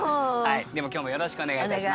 でも今日もよろしくお願いいたします。